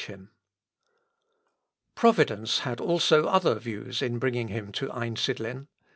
] Providence had also other views in bringing him to Einsidlen.